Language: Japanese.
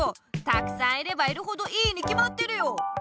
たくさんいればいるほどいいにきまってるよ！